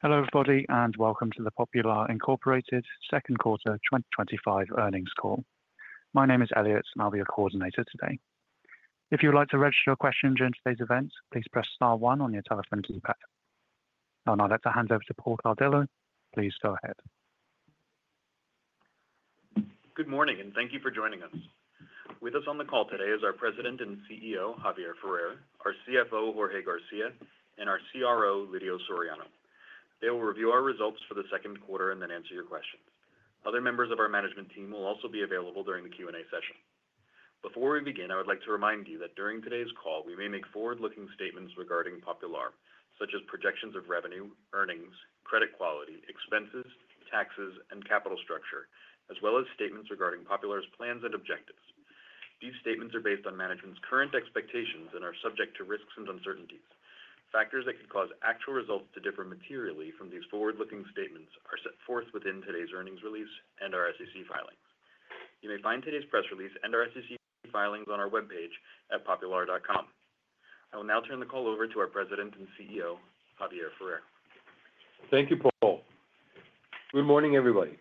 Hello, everybody, and welcome to the Popular Incorporated Second Quarter twenty twenty May. My name is Elliot, and I'll be your coordinator today. I'd now like to hand over to Paul Cardillo. Please go ahead. Good morning, thank you for joining us. With us on the call today is our President and CEO, Javier Ferrer our CFO, Jorge Garcia and our CRO, Lidio Soriano. They will review our results for the second quarter and then answer your questions. Other members of our management team will also be available during the Q and A session. Before we begin, I would like to remind you that during today's call, we may make forward looking statements regarding Popular such as projections of revenue, earnings, credit quality, expenses, taxes and capital structure as well as statements regarding Popular's plans and objectives. These statements are based on management's current expectations and are subject to risks and uncertainties. Factors that could cause actual results to differ materially from these forward looking statements are set forth within today's earnings release and our SEC filings. You may find today's press release and our SEC filings on our webpage at popular.com. I will now turn the call over to our President and CEO, Javier Ferrer. Thank you, Paul. Good morning, everybody.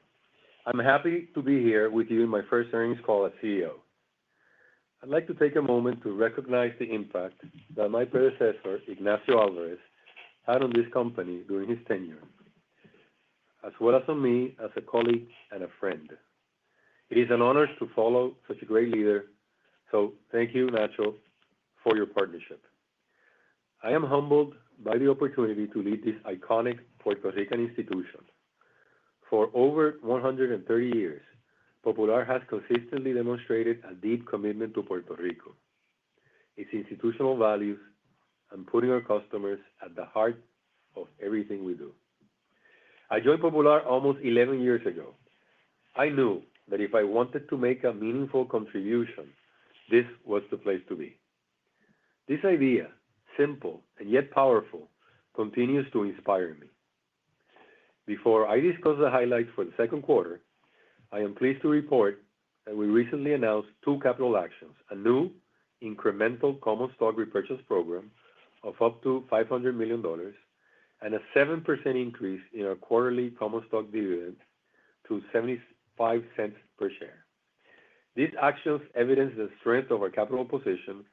I'm happy to be here with you in my first earnings call as CEO. I'd like to take a moment to recognize the impact that my predecessor Ignacio Alvarez had on this company during his tenure as well as on me as a colleague and a friend. It is an honor to follow such a great leader, so thank you, Nacho, for your partnership. I am humbled by the opportunity to lead this iconic Puerto Rican institution. For over one hundred and thirty years, Popular has consistently demonstrated a deep commitment to Puerto Rico, its institutional values and putting our customers at the heart of everything we do. I joined Popular almost eleven years ago. I knew that if I wanted to make a meaningful contribution, this was the place to be. This idea, simple and yet powerful, continues to inspire me. Before I discuss the highlights for the second quarter, I am pleased to report that we recently announced two capital actions, a new incremental common stock repurchase program of up to $500,000,000 and a 7% increase in our quarterly common stock dividend to $0.75 per share. These actions evidence the strength of our capital position,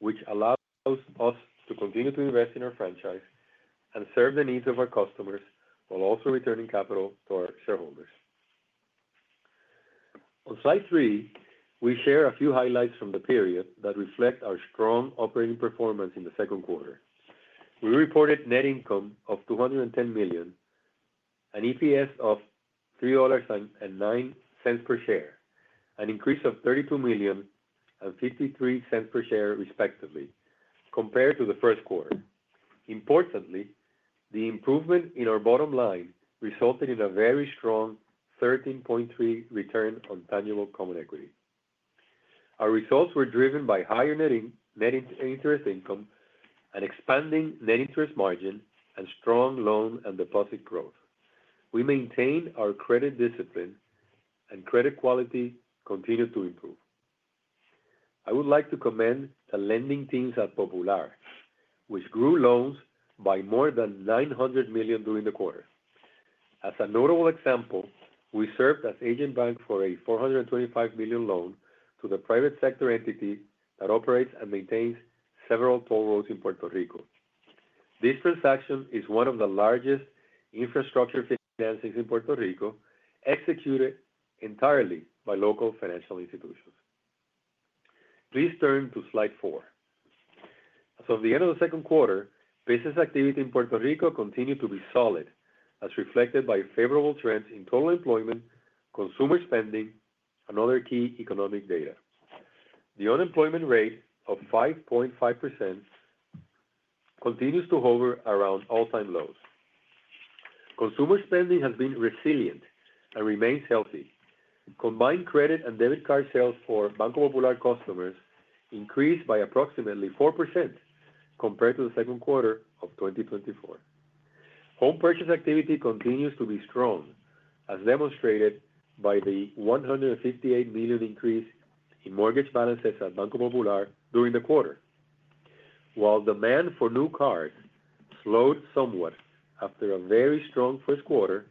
which allows us to continue to invest in our franchise and serve the needs of our customers, while also returning capital to our shareholders. On slide three, we share a few highlights from the period that reflect our strong operating performance in the second quarter. We reported net income of $210,000,000 and EPS of $3.09 per share, an increase of $32,000,000 and $0.53 per share respectively compared to the first quarter. Importantly, the improvement in our bottom line resulted in a very strong 13.3% return on tangible common equity. Our results were driven by higher net interest income and expanding net interest margin and strong loan and deposit growth. We maintained our credit discipline and credit quality continued to improve. I would like to commend the lending teams at Popular, which grew loans by more than $900,000,000 during the quarter. As a notable example, we served as agent bank for a $425,000,000 loan to the private sector entity that operates and maintains several toll roads in Puerto Rico. This transaction is one of the largest infrastructure financing in Puerto Rico executed entirely by local financial institutions. Please turn to slide four. As of the end of the second quarter, business activity in Puerto Rico continued to be solid as reflected by favorable trends in total employment, consumer spending and other key economic data. The unemployment rate of 5.5% continues to hover around all time lows. Consumer spending has been resilient and remains healthy. Combined credit and debit card sales for Banco Popular customers increased by approximately 4% compared to the second quarter of twenty twenty four. Home purchase activity continues to be strong as demonstrated by the $158,000,000 increase in mortgage balances at Banco Popular during the quarter. While demand for new cars slowed somewhat after a very strong first quarter,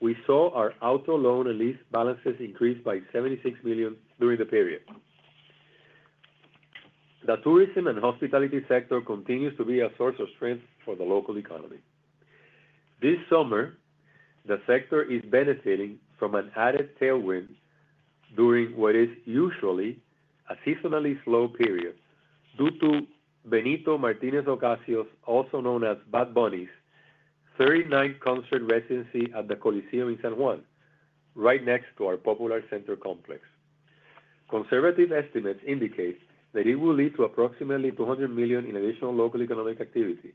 we saw our auto loan and lease balances increased by $76,000,000 during the period. The tourism and hospitality sector continues to be a source of strength for the local economy. This summer, the sector is benefiting from an added tailwind during what is usually a seasonally slow period due to Benito Martinez Ogasios, also known as Bad Bunny's thirty ninth concert residency at the Coliseum in San Juan, right next to our Popular Center complex. Conservative estimates indicate that it will lead to approximately $200,000,000 in additional local economic activity.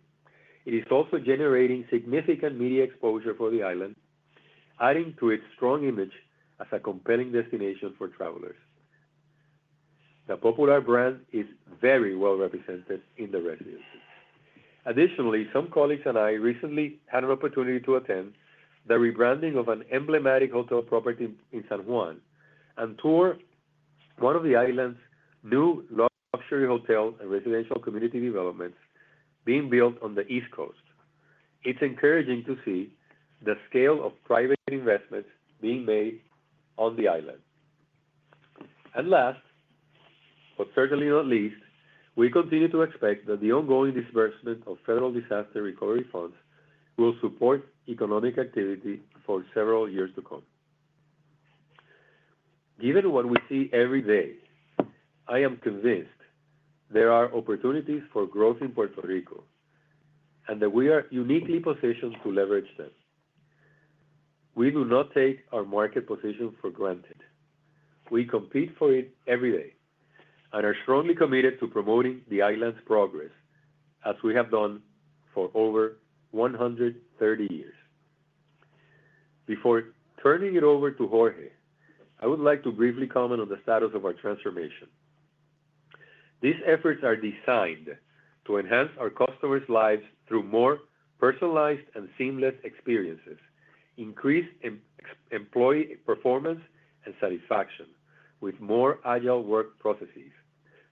It is also generating significant media exposure for the island, to its strong image as a compelling destination for travelers. The Popular brand is very well represented in the residences. Additionally, some colleagues and I recently had an opportunity to attend the rebranding of an emblematic hotel property in San Juan and tour one of the island's new luxury hotel and residential community developments being built on the East Coast. It's encouraging to see the scale of private investments being made on the island. And last, but certainly not least, we continue to expect that the ongoing disbursement of federal disaster recovery funds will support economic activity for several years to come. Given what we see every day, I am convinced there are opportunities for growth in Puerto Rico and that we are uniquely positioned to leverage them. We do not take our market position for granted. We compete for it every day and are strongly committed to promoting the island's progress as we have done for over one hundred and thirty years. Before turning it over to Jorge, I would like to briefly comment on the status of our transformation. These efforts are designed to enhance our customers' lives through more personalized and seamless experiences, increase employee performance and satisfaction with more agile work processes,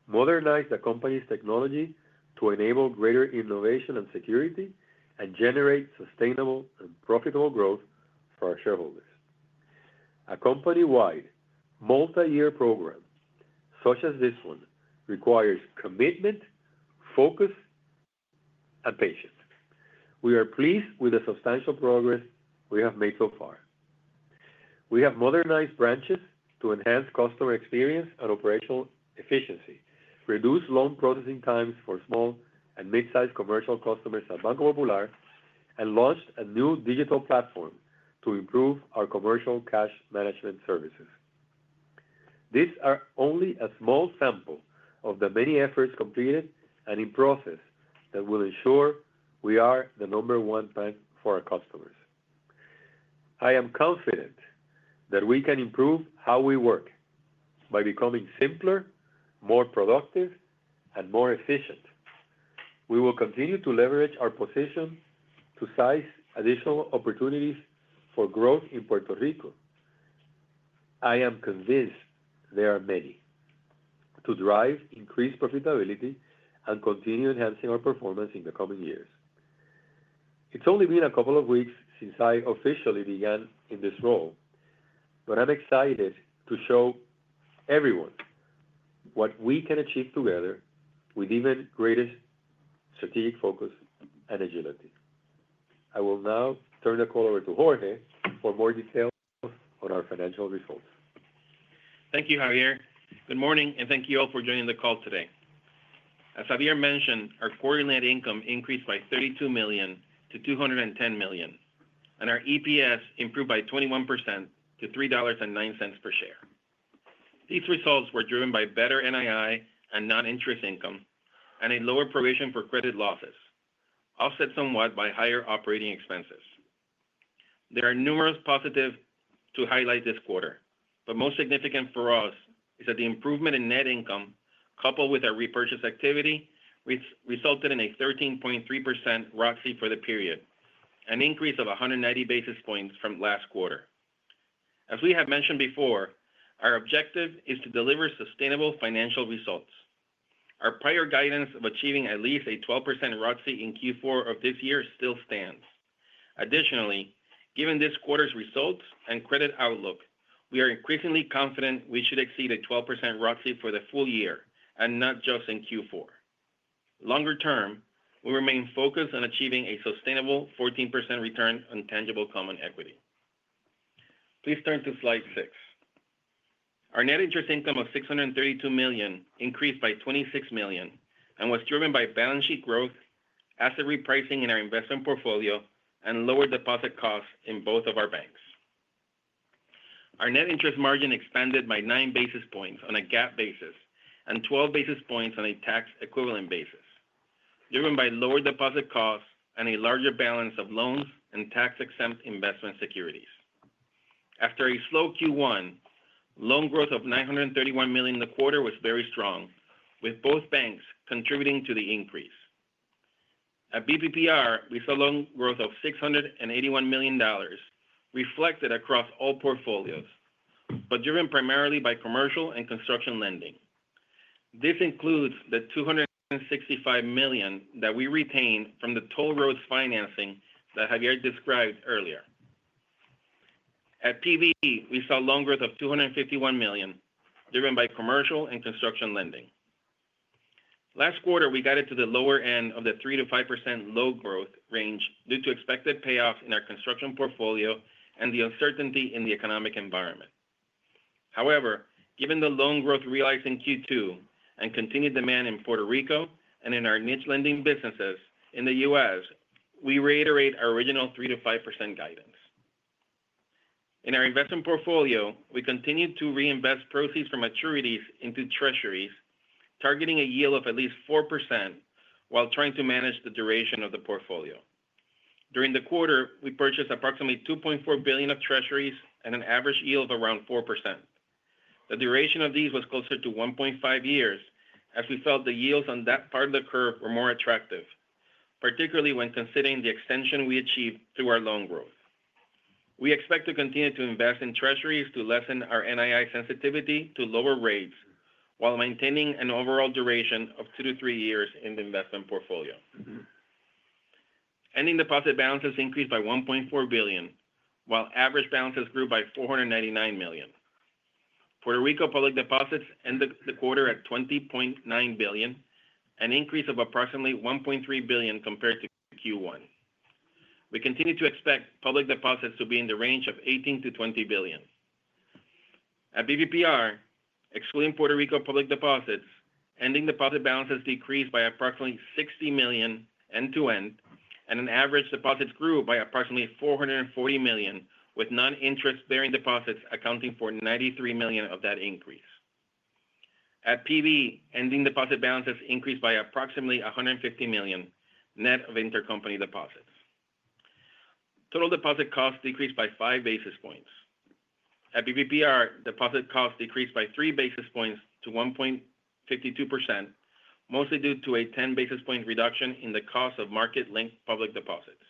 modernize the company's technology to enable greater innovation and security and generate sustainable and profitable growth for our shareholders. A company wide multiyear program such as this one requires commitment, focus and patience. We are pleased with the substantial progress we have made so far. We have modernized branches to enhance customer experience and operational efficiency, reduced loan processing times for small and mid sized commercial customers at Banco Popular and launched a new digital platform to improve our commercial cash management services. These are only a small sample of the many efforts completed and in process that will ensure we are the number one bank for our customers. I am confident that we can improve how we work by becoming simpler, more productive and more efficient. We will continue to leverage our position to size additional opportunities for growth in Puerto Rico. I am convinced there are many to drive increased profitability and continue enhancing our performance in the coming years. It's only been a couple of weeks since I officially began in this role, but I'm excited to show everyone what we can achieve together with even greater strategic focus and agility. I will now turn the call over to Jorge for more details on our financial results. Thank you, Javier. Good morning and thank you all for joining the call today. As Javier mentioned, our quarterly net income increased by $32,000,000 to $210,000,000 and our EPS improved by 21% to $3.9 per share. These results were driven by better NII and noninterest income and a lower provision for credit losses offset somewhat by higher operating expenses. There are numerous positive to highlight this quarter, but most significant for us is that the improvement in net income coupled with our repurchase activity resulted in a 13.3% ROC fee for the period, an increase of 190 basis points from last quarter. As we have mentioned before, our objective is to deliver sustainable financial results. Our prior guidance of achieving at least a 12% ROCCE in Q4 of this year still stands. Additionally, given this quarter's results and credit outlook, we are increasingly confident we should exceed a 12% ROCCE for the full year and not just in Q4. Longer term, we remain focused on achieving a sustainable 14% return on tangible common equity. Please turn to Slide six. Our net interest income of $632,000,000 increased by $26,000,000 and was driven by balance sheet growth, asset repricing in our investment portfolio and lower deposit costs in both of our banks. Our net interest margin expanded by nine basis points on a GAAP basis and 12 basis points on a tax equivalent basis, driven by lower deposit costs and a larger balance of loans and tax exempt investment securities. After a slow Q1, growth of $931,000,000 in the quarter was very strong with both banks contributing to the increase. At BPPR, we saw loan growth of $681,000,000 reflected across all portfolios, but driven primarily by commercial and construction lending. This includes the $265,000,000 that we retained from the toll roads financing that Javier described earlier. At PV, we saw loan growth of $251,000,000 driven by commercial and construction lending. Last quarter, we guided to the lower end of the 3% to five percent low growth range due to expected payoff in our construction portfolio and the uncertainty in the economic environment. However, given the loan growth realized in Q2 and continued demand in Puerto Rico and in our niche lending businesses in The U. S, we reiterate our original 3% to 5% guidance. In our investment portfolio, we continued to reinvest proceeds from maturities into treasuries targeting a yield of at least 4% while trying to manage the duration of the portfolio. During the quarter, we purchased approximately $2,400,000,000 of treasuries at an average yield around 4%. The duration of these was closer to one point five years as we felt the yields on that part of the curve were more attractive, particularly when considering the extension we achieved through our loan growth. We expect to continue to invest in treasuries to lessen our NII sensitivity to lower rates, while maintaining an overall duration of two to three years in the investment portfolio. Ending deposit balances increased by $1,400,000,000 while average balances grew by $499,000,000 Puerto Rico public deposits ended the quarter at $20,900,000,000 an increase of approximately $1,300,000,000 compared to Q1. We continue to expect public deposits to be in the range of 18,000,000,000 to 20,000,000,000 At BBPR, excluding Puerto Rico public deposits, ending deposit balances decreased by approximately $60,000,000 end to end and an average deposits grew by approximately $440,000,000 with non interest bearing deposits accounting for $93,000,000 of that increase. At PB, ending deposit balances increased by approximately $150,000,000 net of intercompany deposits. Total deposit costs decreased by five basis points. At BBPR, deposit costs decreased by three basis points to 1.52%, mostly due to a 10 basis point reduction in the cost of market linked public deposits.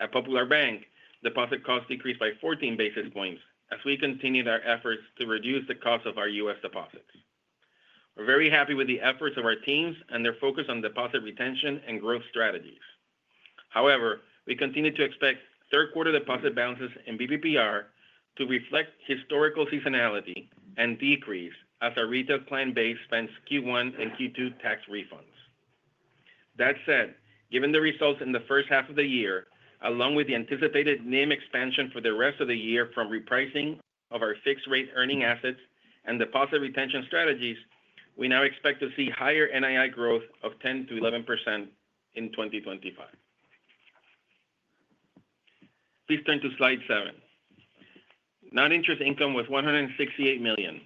At Popular Bank, deposit costs decreased by 14 basis points as we continued our efforts to reduce the cost of our U. S. Deposits. We're very happy with the efforts of our teams and their focus on deposit retention and growth strategies. However, we continue to expect third quarter deposit balances in BPPR to reflect historical seasonality and decrease as our retail client base spends Q1 and Q2 tax refunds. That said, given the results in the first half of the year along with the anticipated NIM expansion for the rest of the year from repricing of our fixed rate earning assets and deposit retention strategies, we now expect to see higher NII growth of 10% to 11% in 2025. Please turn to Slide seven. Non interest income was $168,000,000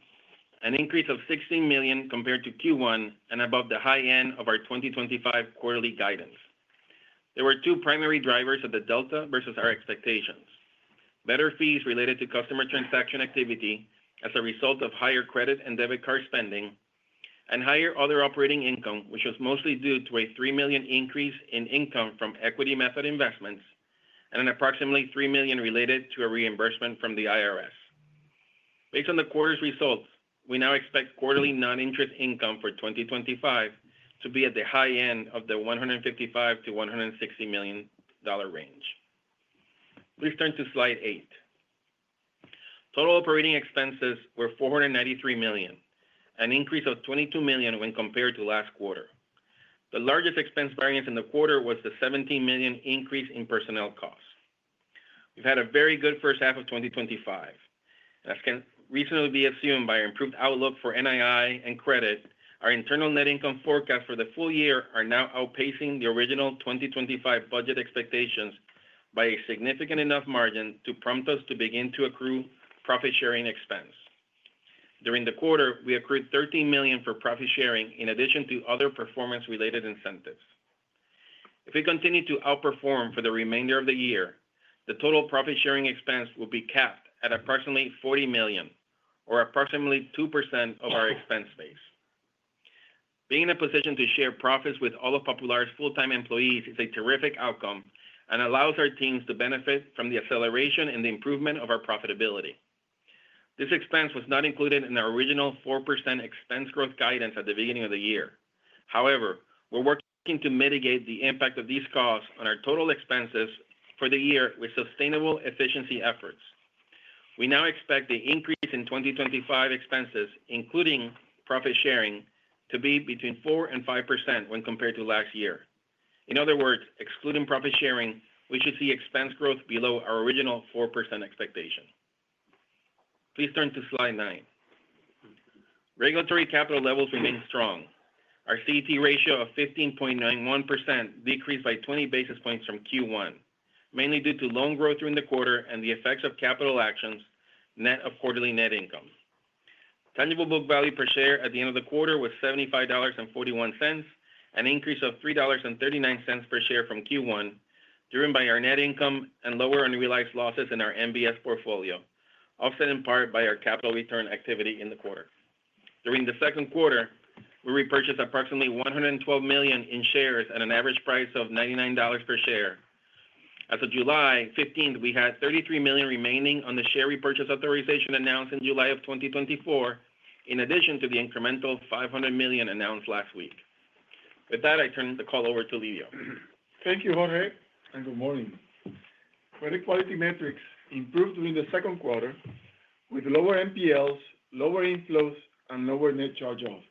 an increase of $16,000,000 compared to Q1 and above the high end of our 2025 quarterly guidance. There were two primary drivers of the delta versus our expectations. Better fees related to customer transaction activity as a result of higher credit and debit card spending and higher other operating income, which was mostly due to a $3,000,000 increase in income from equity method investments and an approximately $3,000,000 related to a reimbursement from the IRS. Based on the quarter's results, we now expect quarterly non interest income for 2025 to be at the high end of the 155,000,000 to $160,000,000 range. Please turn to Slide eight. Total operating expenses were $493,000,000 an increase of $22,000,000 when compared to last quarter. The largest expense variance in the quarter was the $17,000,000 increase in personnel costs. We've had a very good first half of twenty twenty five. As can recently be assumed by our improved outlook for NII and credit, our internal net income forecast for the full year are now outpacing the original 2025 budget expectations by a significant enough margin to prompt us to begin to accrue profit sharing expense. During the quarter, we accrued $13,000,000 for profit sharing in addition to other performance related incentives. If we continue to outperform for the remainder of the year, the total profit sharing expense will be capped at approximately 40,000,000 or approximately 2% of our expense base. Being in a position to share profits with all of Popular's full time employees is a terrific outcome and allows our teams to benefit from the acceleration and the improvement of our profitability. This expense was not included in our original 4% expense growth guidance at the beginning of the year. However, we're working to mitigate the impact of these costs on our total expenses for the year with sustainable efficiency efforts. We now expect the increase in 2025 expenses including profit sharing to be between 45% when compared to last year. In other words, excluding profit sharing, we should see expense growth below our original 4% expectation. Please turn to Slide nine. Regulatory capital levels remain strong. Our CET ratio of 15.91% decreased by 20 basis points from Q1, mainly due to loan growth during the quarter and the effects of capital actions net of quarterly net income. Tangible book value per share at the end of the quarter was $75.41 an increase of $3.39 per share from Q1 driven by our net income and lower unrealized losses in our MBS portfolio offset in part by our capital return activity in the quarter. During the second quarter, we repurchased approximately $112,000,000 in shares at an average price of $99 per share. As of July 15, we had $33,000,000 remaining on the share repurchase authorization announced in July 2024 in addition to the incremental $500,000,000 announced last week. With that, I turn the call over to Leo. Thank you, Jorge, and good morning. Credit quality metrics improved during the second quarter with lower NPLs, lower inflows and lower net charge offs.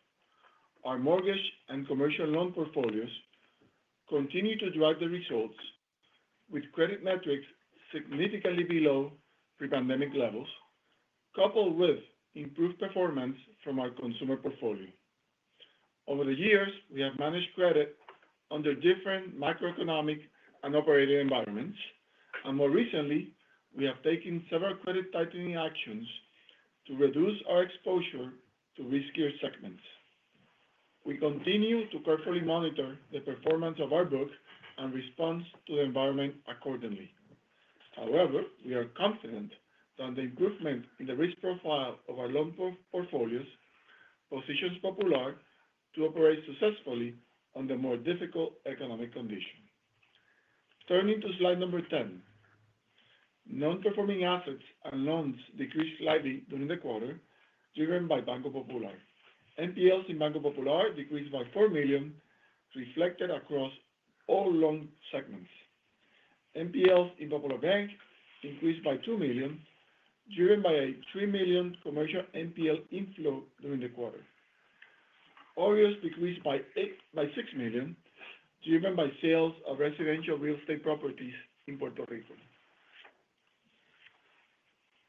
Our mortgage and commercial loan portfolios continue to drive the results with credit metrics significantly below pre pandemic levels, coupled with improved performance from our consumer portfolio. Over the years, we have managed credit under different macroeconomic and operating environments. And more recently, we have taken several credit tightening actions to reduce our exposure to riskier segments. We continue to carefully monitor the performance of our book and response to the environment accordingly. However, we are confident that the improvement in the risk profile of our loan portfolios positions Popular to operate successfully under more difficult economic condition. Turning to Slide number 10. Non performing assets and loans decreased slightly during the quarter, driven by Banco Popular. NPLs in Banco Popular decreased by $4,000,000 reflected across all loan segments. NPLs in Popular Bank increased by $2,000,000 driven by a $3,000,000 commercial NPL inflow during the quarter. OREOs decreased by 6,000,000 driven by sales of residential real estate properties in Puerto Rico.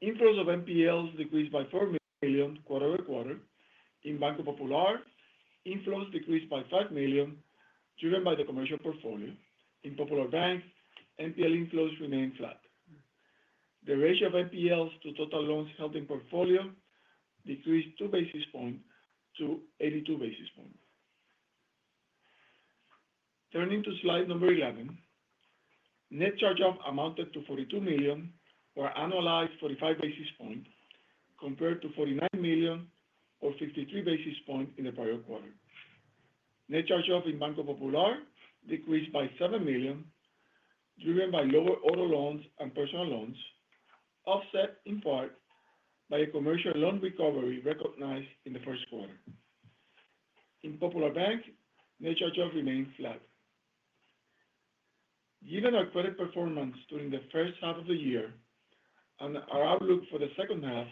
Inflows of NPLs decreased by $4,000,000 quarter over quarter. In Banco Popular, inflows decreased by $5,000,000 driven by the commercial portfolio. In Popular Bank, NPL inflows remained flat. The ratio of NPLs to total loans held in portfolio decreased two basis points to 82 basis points. Turning to slide number 11. Net charge off amounted to $42,000,000 or annualized 45 basis points compared to $49,000,000 or 53 basis points in the prior quarter. Net charge off in Banco Popular decreased by $7,000,000 driven by lower auto loans and personal loans, offset in part by a commercial loan recovery recognized in the first quarter. In Popular Bank, net charge off remained flat. Given our credit performance during the first half of the year and our outlook for the second half,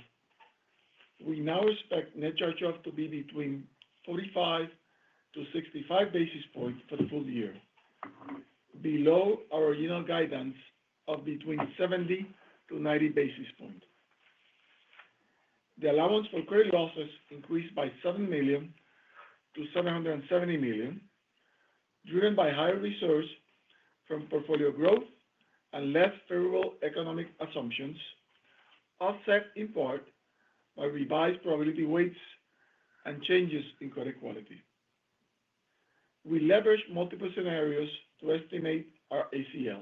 we now expect net charge offs to be between 45 to 65 basis points for the full year, below our original guidance of between 70 to 90 basis points. The allowance for credit losses increased by $7,000,000 to $770,000,000 driven by higher resource from portfolio growth and less favorable economic assumptions, offset in part by revised probability weights and changes in credit quality. We leveraged multiple scenarios to estimate our ACL.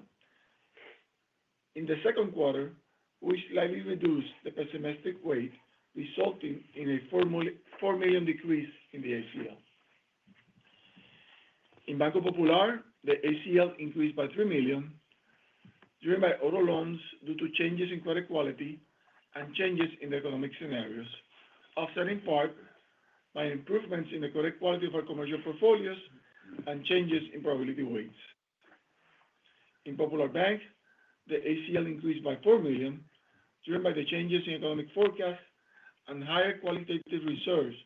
In the second quarter, we slightly reduced the pessimistic weight resulting in a $4,000,000 decrease in the ACL. In Banco Popular, the ACL increased by 3,000,000 driven by auto loans due to changes in credit quality and changes in the economic scenarios, offset in part by improvements in the credit quality of our commercial portfolios and changes in probability weights. In Popular Bank, the ACL increased by $4,000,000 driven by the changes in economic forecast and higher qualitative reserves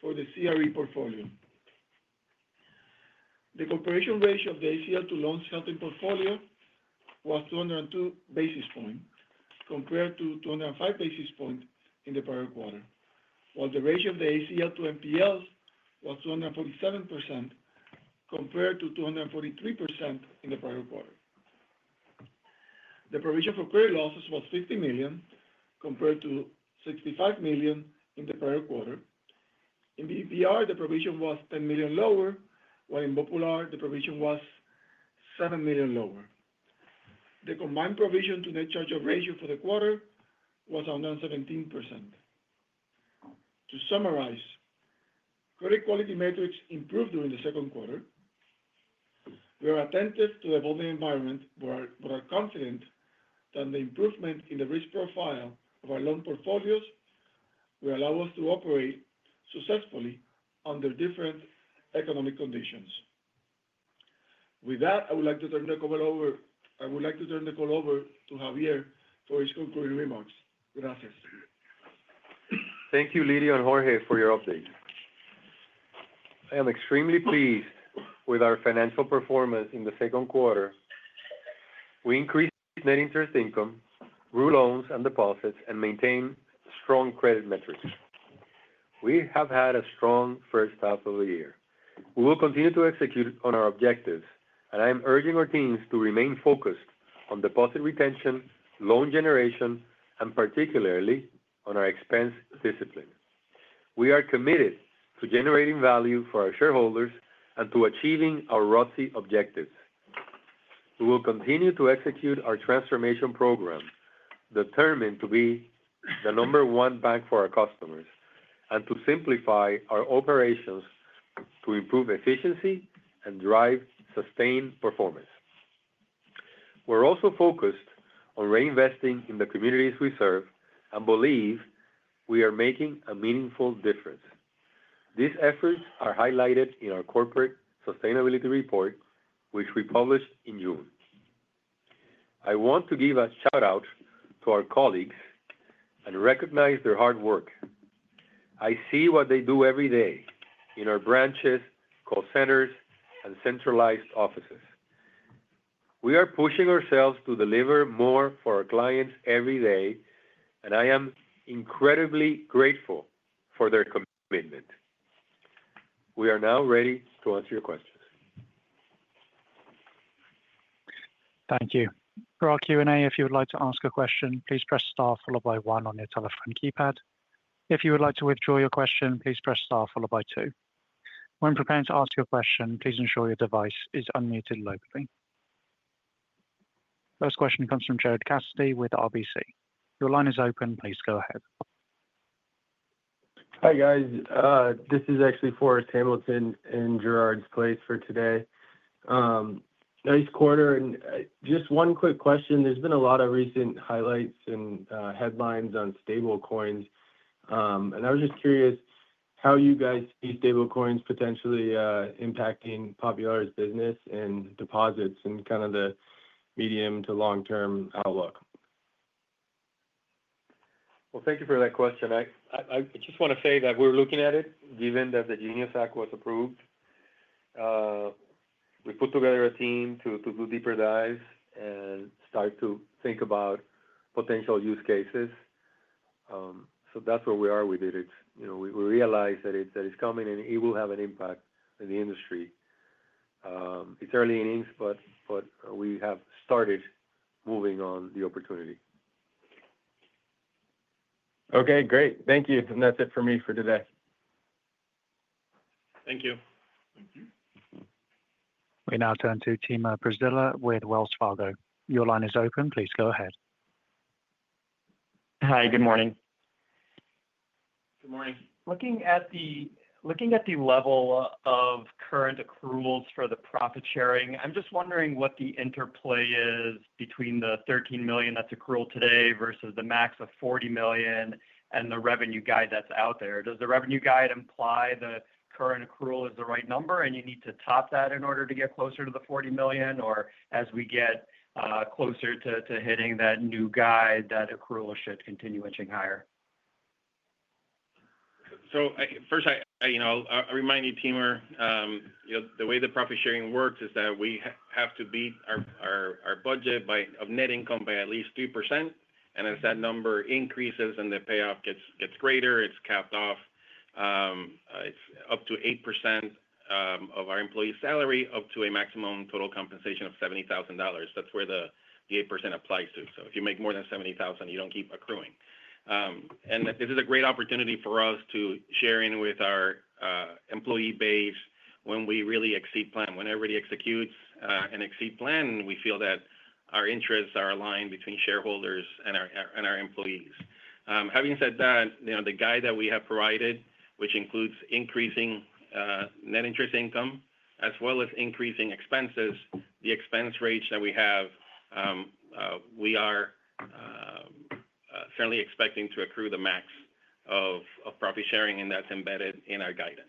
for the CRE portfolio. The compression ratio of the ACL to loans held in portfolio was two zero two basis points compared to two zero five basis points in the prior quarter, while the ratio of the ACL to NPLs was 247% compared to 243% in the prior quarter. The provision for credit losses was $50,000,000 compared to $65,000,000 in the prior quarter. In BBR, the provision was $10,000,000 lower, while in Popular, the provision was $7,000,000 lower. The combined provision to net charge off ratio for the quarter was 117%. To summarize, credit quality metrics improved during the second quarter. We are attentive to evolving environment, but are confident that the improvement in the risk profile of our loan portfolios will allow us to operate successfully under different economic conditions. With that, I would like to turn the call over to Javier for his concluding remarks. Gracias. Thank you, Lidio and Jorge for your update. I am extremely pleased with our financial performance in the second quarter. We increased net interest income, grew loans and deposits and maintained strong credit metrics. We have had a strong first half of the year. We will continue to execute on our objectives and I am urging our teams to remain focused on deposit retention, loan generation and particularly on our expense discipline. We are committed to generating value for our shareholders and to achieving our ROCE objectives. We will continue to execute our transformation program determined to be the number one bank for our customers and to simplify our operations to improve efficiency and drive sustained performance. We're also focused on reinvesting in the communities we serve and believe we are making a meaningful difference. These efforts are highlighted in our corporate sustainability report, which we published in June. I want to give a shout out to our colleagues and recognize their hard work. I see what they do every day in our branches, call centers and centralized offices. We are pushing ourselves to deliver more for our clients every day, and I am incredibly grateful for their commitment. We are now ready to answer your questions. Thank you. First question comes from Jared Cassidy with RBC. Your line is open. Please go ahead. Hi, guys. This is actually Forrest Hamilton in Gerard's place for today. Nice quarter. And just one quick question. There's been a lot of recent highlights and headlines on stablecoins. And I was just curious how you guys see stablecoins potentially impacting Popular's business and deposits and kind of the medium to long term outlook. Well, thank you for that question. I I I just wanna say that we're looking at it given that the Genius Act was approved. We put together a team to to do deeper dives and start to think about potential use cases. So that's where we are with it. We realized that it's coming and it will have an impact in the industry. It's early innings, but we have started moving on the opportunity. Okay, great. Thank you. And that's it for me for today. Thank you. We now turn to Timur Braziler with Wells Fargo. Your line is open. Please go ahead. Hi, good morning. Good morning. Looking at the level of current accruals for the profit sharing, I'm just wondering what the interplay is between the $13,000,000 that's accrual today versus the max of $40,000,000 and the revenue guide that's out there. Does the revenue guide imply that current accrual is the right number and you need to top that in order to get closer to the $40,000,000 Or as we get closer to to hitting that new guide, that accrual should continue inching higher? So I first, I I you know, I'll you, Timur, you know, the way the profit sharing works is that we have to beat our our our budget by of net income by at least three percent. And as that number increases and the payoff gets gets greater, it's capped off. It's up to 8%, of our employee salary up to a maximum total compensation of $70,000. That's where the the 8% applies to. So if you make more than 70,000, you don't keep accruing. And this is a great opportunity for us to sharing with our, employee base when we really exceed plan. Whenever they executes, and exceed plan, we feel that our interests are aligned between shareholders and our and our employees. Having said that, you know, the guide that we have provided, which includes increasing, net interest income as well as increasing expenses. The expense rates that we have, we are, certainly expecting to accrue the max of of property sharing and that's embedded in our guidance.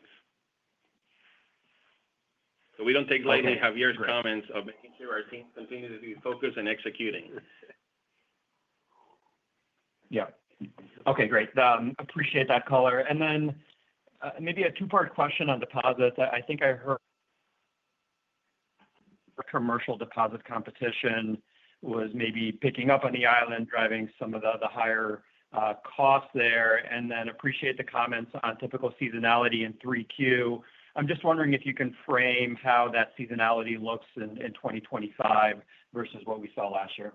So we don't take lightly Javier's comments of making sure our team continues to be focused and executing. Yeah. Okay. Great. Appreciate that color. And then, maybe a two part question on deposits. I think I heard commercial deposit competition was maybe picking up on the island, driving some of the higher costs there. And then appreciate the comments on typical seasonality in 3Q. I'm just wondering if you can frame how that seasonality looks in in 2025 versus what we saw last year.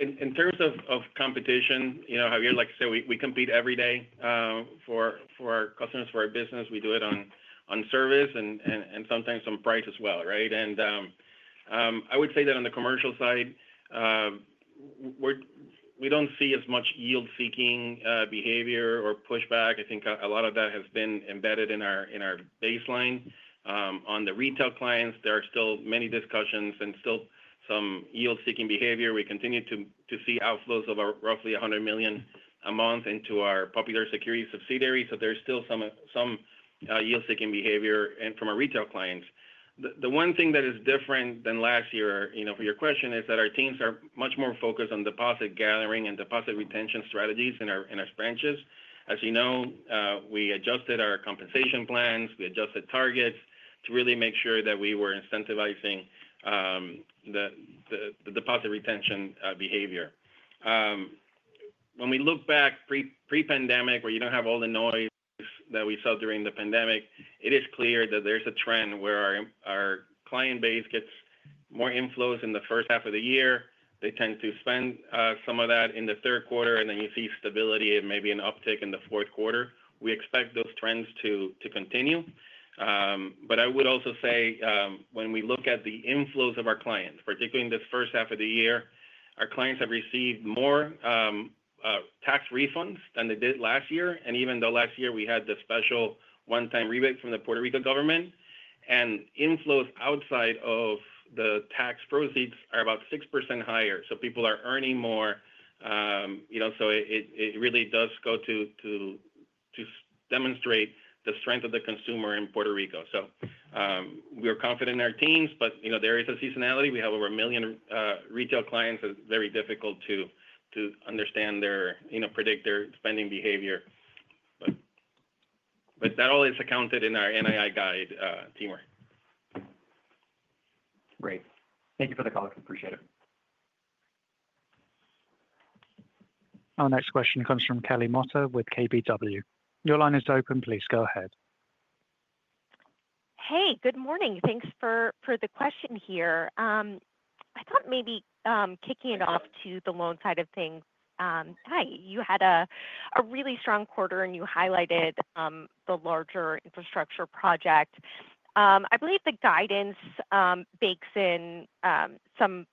In in terms of of competition, you know, Javier, like I say, we we compete every day, for for our customers, for our business. We do it on on service and and and sometimes on price as well. Right? And, I would say that on the commercial side, we're we don't see as much yield seeking, behavior or pushback. I think a lot of that has been embedded in our in our baseline. On the retail clients, there are still many discussions and still some yield seeking behavior. We continue to to see outflows of roughly 100,000,000 a month into our popular security subsidiary. So there's still some some yield seeking behavior and from our retail clients. The the one thing that is different than last year, you know, for your question is that our teams are much more focused on deposit gathering and deposit retention strategies in our in our branches. As you know, we adjusted our compensation plans. We adjusted targets to really make sure that we were incentivizing, the the the deposit retention behavior. When we look back pre pre pandemic where you don't have all the noise that we saw during the pandemic, it is clear that there's a trend where our our client base gets more inflows in the first half of the year. They tend to spend, some of that in the third quarter and then you see stability and maybe an uptick in the fourth quarter. We expect those trends to to continue. But I would also say, when we look at the inflows of our clients, particularly in this first half of the year, our clients have received more, tax refunds than they did last year. And even though last year, we had the special one time rebate from the Puerto Rico government, and inflows outside of the tax proceeds are about 6% higher. So people are earning more, you know, so it it really does go to to to demonstrate the strength of the consumer in Puerto Rico. So we are confident in our teams, but, you know, there is a seasonality. We have over a million, retail clients. It's very difficult to to understand their you know, predict their spending behavior. But that all is accounted in our NII guide, Timur. Great. Thank you for the color. Appreciate it. Our next question comes from Kelly Motta with KBW. Your line is open. Please go ahead. Hey, good morning. Thanks for the question here. I thought maybe kicking it off to the loan side of things, you had a really strong quarter and you highlighted the larger infrastructure project. I believe the guidance bakes in some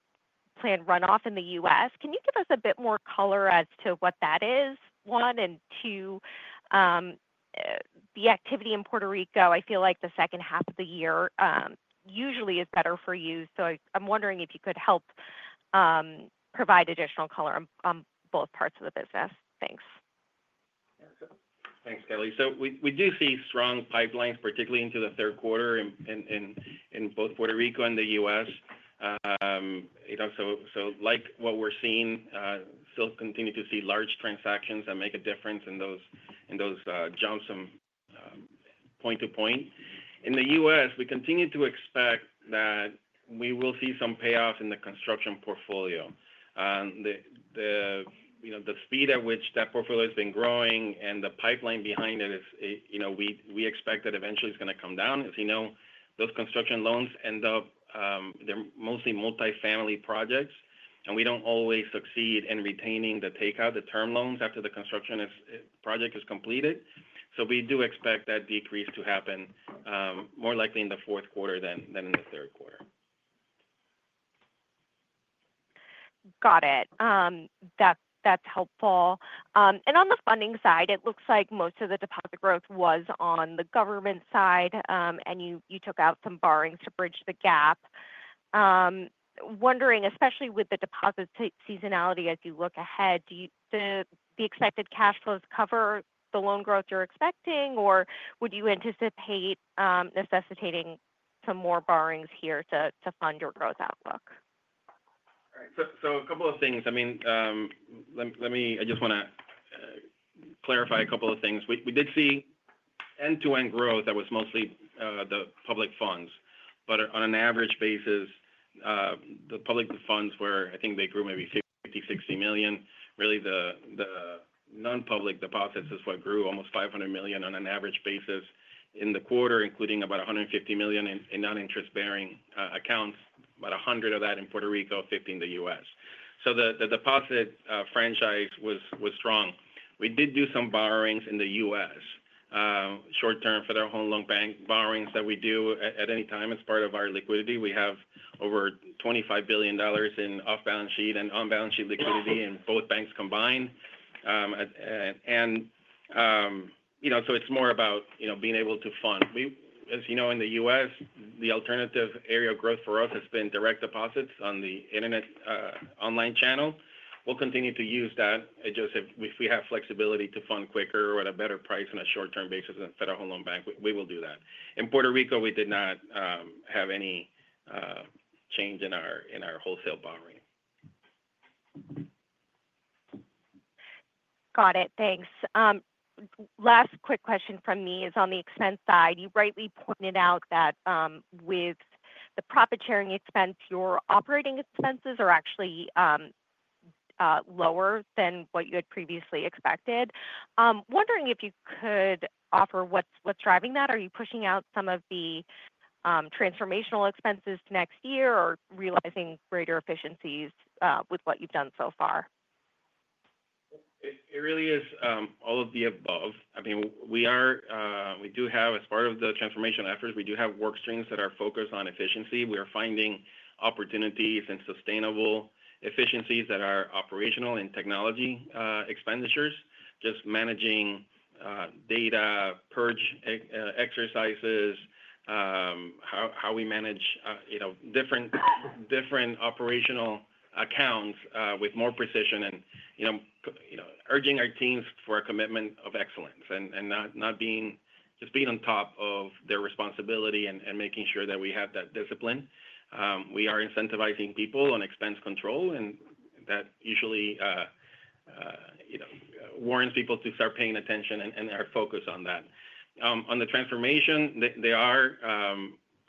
planned runoff in The U. S. Can you give us a bit more color as to what that is, one? And two, the activity in Puerto Rico, I feel like the second half of the year, usually is better for you. So I'm wondering if you could help, provide additional color on both parts of the business. Thanks. Thanks, Kelly. So we we do see strong pipelines, particularly into the third quarter in in in in both Puerto Rico and The US. You know, so so like what we're seeing, still continue to see large transactions that make a difference in those in those, jumps some point to point. In The US, we continue to expect that we will see some payoffs in the construction portfolio. The the, you know, the speed at which that portfolio has been growing and the pipeline behind it is, you know, we we expect that eventually it's gonna come down. As you know, those construction loans end up, they're mostly multifamily projects, and we don't always succeed in retaining the takeout, the term loans after the construction is project is completed. So we do expect that decrease to happen, more likely in the fourth quarter than than in the third quarter. Got it. That that's helpful. And on the funding side, it looks like most of the deposit growth was on the government side, and you you took out some borrowings to bridge the gap. Wondering especially with the deposit seasonality as you look ahead, do you the expected cash flows cover the loan growth you're expecting or would you anticipate necessitating some more borrowings here to to fund your growth outlook? Alright. So so a couple of things. I mean, let let me I just wanna clarify a couple of things. We we did see end to end growth that was mostly, the public funds. But on an average basis, the public funds were I think they grew maybe $5,060,000,000. Really, the the nonpublic deposits is what grew almost 500,000,000 on an average basis in the quarter, including about a 150,000,000 in in non interest bearing accounts, about a 100 of that in Puerto Rico, 50 in The US. So the the deposit franchise was was strong. We did do some borrowings in The US, short term for their home loan bank borrowings that we do at any time as part of our liquidity. We have over $25,000,000,000 in off balance sheet and on balance sheet liquidity in both banks combined. And, you know, so it's more about, you know, being able to fund. We as you know, in The US, the alternative area of growth for us has been direct deposits on the Internet online channel. We'll continue to use that, Joseph. If have flexibility to fund quicker or at a better price on a short term basis than Federal Home Loan Bank, we we will do that. In Puerto Rico, we did not, have any, change in our in our wholesale borrowing. Got it. Thanks. Last quick question from me is on the expense side. You rightly pointed out that with the profit sharing expense, your operating expenses are actually lower than what you had previously expected. Wondering if you could offer what's what's driving that. Are you pushing out some of the transformational expenses next year or realizing greater efficiencies with what you've done so far? It it really is, all of the above. I mean, we are, we do have as part of the transformation efforts, we do have work streams that are focused on efficiency. We are finding opportunities and sustainable efficiencies that are operational and technology, expenditures. Just managing, data purge exercises, how how we manage, you know, different different operational accounts with more precision and, you know, you know, urging our teams for a commitment of excellence and and not not being just being on top of their responsibility and and making sure that we have that discipline. We are incentivizing people on expense control and that usually, you know, warns people to start paying attention and and they are focused on that. On the transformation, they they are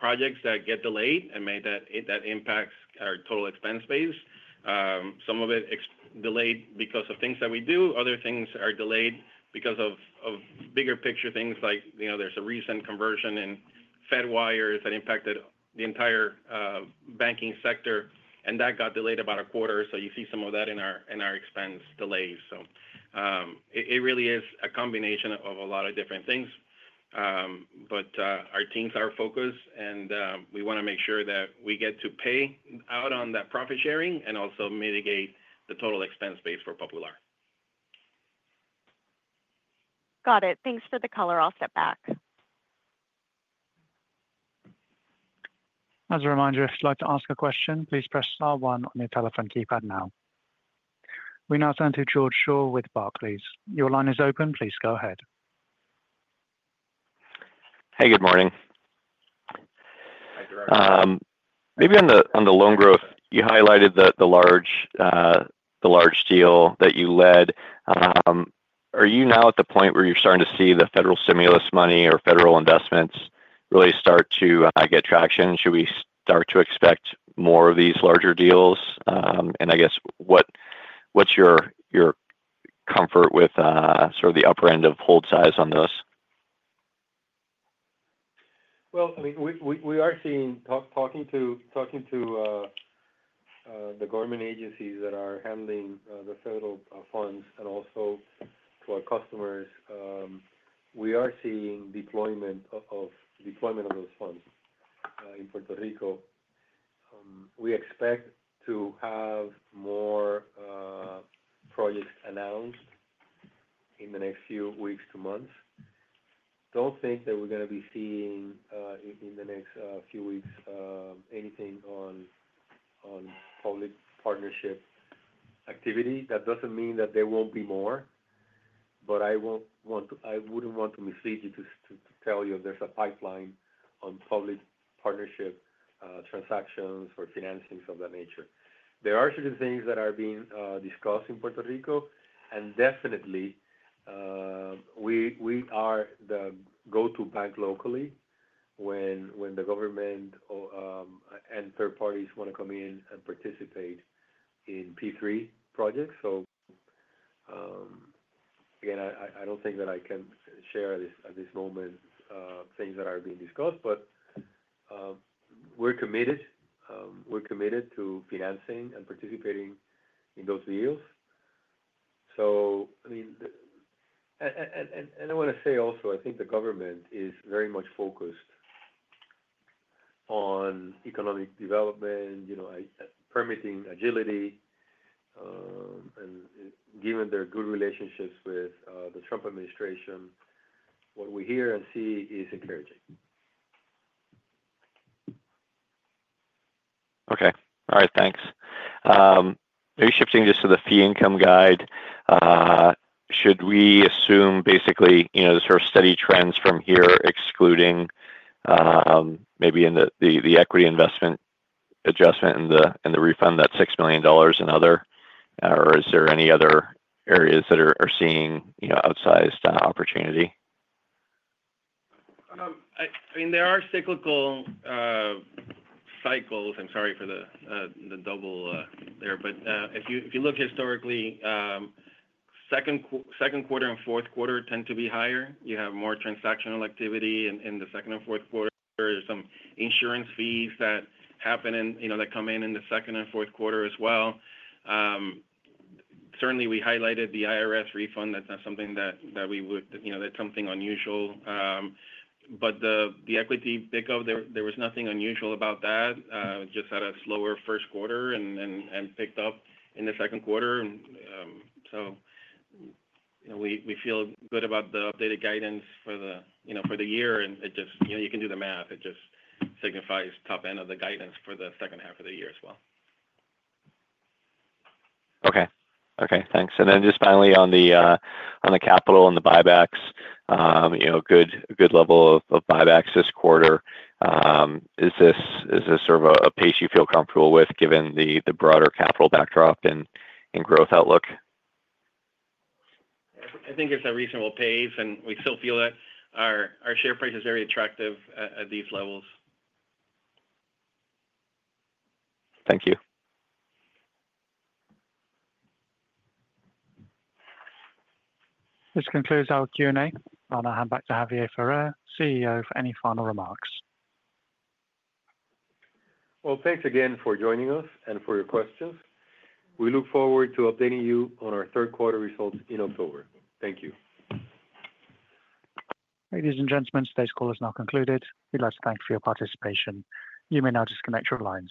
projects that get delayed and made that it that impacts our total expense base. Some of it is delayed because of things that we do. Other things are delayed because of of bigger picture things like, you know, there's a recent conversion in Fedwire that impacted the entire, banking sector, and that got delayed about a quarter. So you see some of that in our in our expense delays. So, it it really is a combination of a lot of different things. But, our teams are focused, and, we wanna make sure that we get to pay out on that profit sharing and also mitigate the total expense base for Popular. Got it. Thanks for the color. I'll step back. We now turn to George Shaw with Barclays. Your line is open. Please go ahead. Hey, good morning. Hi, Gerard. Maybe on the loan growth, you highlighted the large deal that you led. Are you now at the point where you're starting to see the federal stimulus money or federal investments really start to get traction? Should we start to expect more of these larger deals? And I guess what's your comfort with sort of the upper end of hold size on those? Well, mean, we are seeing talking to the government agencies that are handling the federal funds and also to our customers, we are seeing deployment of those funds in Puerto Rico. We expect to have more projects announced in the next few weeks to months. Don't think that we're going to be seeing in the next few weeks anything on public partnership activity. That doesn't mean that there won't be more, but I won't want to I wouldn't want to mislead you to to tell you there's a pipeline on public partnership transactions or financings of that nature. There are certain things that are being discussed in Puerto Rico. And definitely, we are the go to bank locally when the government and third parties want to come in and participate in P3 projects. So again, I don't think that I can share at this moment things that are being discussed, but we're committed to financing and participating in those deals. So I mean and I want to say also, I think the government is very much focused on economic development, permitting, agility and given their good relationships with the Trump administration, what we hear and see is encouraging. All right. Thanks. Shifting just to the fee income guide. Should we assume basically sort of steady trends from here excluding maybe in the equity investment adjustment and the refund that $6,000,000 and other? Or is there any other areas that are seeing outsized opportunity? I mean, are cyclical cycles. I'm sorry for the, the double, there. But, if you if you look historically, second second quarter and fourth quarter tend to be higher. You have more transactional activity in in the second and fourth quarter. There's some insurance fees that happen and, you know, that come in in the second and fourth quarter as well. Certainly, we highlighted the IRS refund. That's not something that that we would you know, that's something unusual. But the the equity pick up, there there was nothing unusual about that. Just had a slower first quarter and and and picked up in the second quarter. So, you know, we we feel good about the updated guidance for the, you know, for the year and it just you know, you can do the math. It just signifies top end of the guidance for the second half of the year as well. Okay. Okay. Thanks. And then just finally on the capital and the buybacks, good level of buybacks this quarter. Is this sort of a pace you feel comfortable with given the broader capital backdrop and growth outlook? I think it's a reasonable pace and we still feel that our share price is very attractive at these levels. Thank you. This concludes our Q and A. I'll now hand back to Javier Ferrer, CEO for any final remarks. Well, thanks again for joining us and for your questions. We look forward to updating you on our third quarter results in October. Thank you. Ladies and gentlemen, today's call has now concluded. We'd like to thank you for your participation. You may now disconnect your lines.